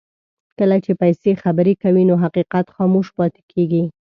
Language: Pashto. کله چې پیسې خبرې کوي نو حقیقت خاموش پاتې کېږي.